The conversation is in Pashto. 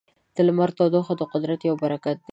د لمر تودوخه د قدرت یو برکت دی.